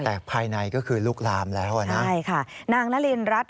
แต่ภายในก็คือลุกลามแล้วอ่ะนะใช่ค่ะนางนารินรัฐ